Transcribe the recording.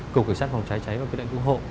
cổ cửa sát phòng cháy cháy và quyết đoạn cứu hộ